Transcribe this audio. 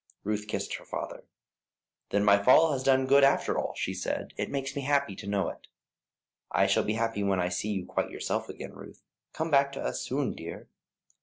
Ruth kissed her father. "Then my fall has done good after all," she said. "It makes me happy to know it." "I shall be happy when I see you quite yourself again, Ruth. Come back to us soon, dear."